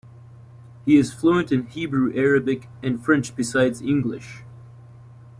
He is fluent in Hebrew, Arabic, and French, besides English.